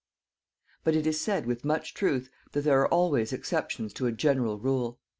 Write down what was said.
But it is said with much truth that there are always exceptions to a general rule.